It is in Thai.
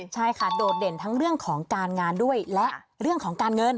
ใช่ค่ะโดดเด่นทั้งเรื่องของการงานด้วยและเรื่องของการเงิน